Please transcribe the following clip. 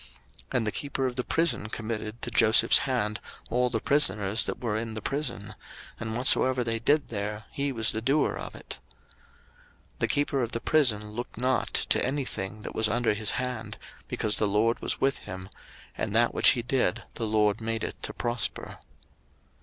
01:039:022 And the keeper of the prison committed to Joseph's hand all the prisoners that were in the prison; and whatsoever they did there, he was the doer of it. 01:039:023 The keeper of the prison looked not to any thing that was under his hand; because the LORD was with him, and that which he did, the LORD made it to prosper.